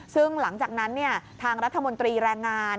ซึ่งหลังจากนั้นทางรัฐมนตรีแรงงาน